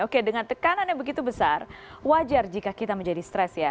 oke dengan tekanan yang begitu besar wajar jika kita menjadi stres ya